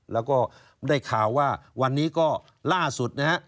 แล้วก็ได้ข่าวว่าวันนี้ก็ล่าสุดนะฮะ